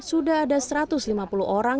sudah ada satu ratus lima puluh orang